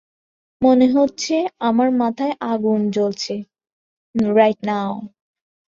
মনে হচ্ছে আমার মাথায় আগুল জ্বলছে।